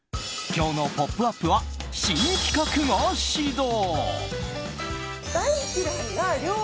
今日の「ポップＵＰ！」は新企画が始動。